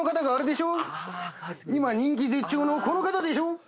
今人気絶頂のこの方でしょ。